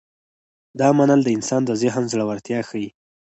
دا منل د انسان د ذهن زړورتیا ښيي.